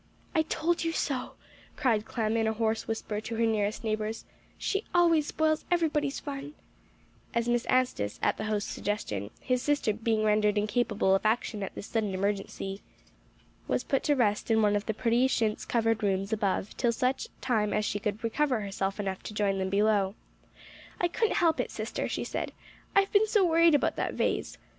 "I told you so," cried Clem, in a hoarse whisper to her nearest neighbors; "she always spoils everybody's fun," as Miss Anstice, at the host's suggestion, his sister being rendered incapable of action at this sudden emergency, was put to rest in one of the pretty chintz covered rooms above, till such time as she could recover herself enough to join them below. "I couldn't help it, sister," she said. "I've been so worried about that vase.